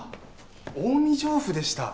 近江上布でした。